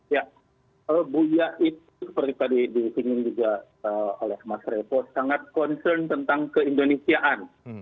ya buya itu seperti tadi disinggung juga oleh mas revo sangat concern tentang keindonesiaan